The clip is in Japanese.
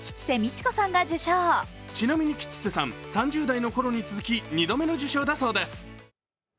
ちなみに吉瀬さん３０代のころに続き２度目の受賞だそうです。